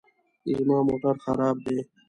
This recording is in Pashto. زما موټر خراب دی